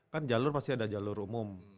kan jalur pasti ada jalur umum